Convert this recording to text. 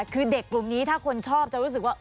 คือเด็กกลุ่มนี้ถ้าคนชอบจะรู้สึกว่า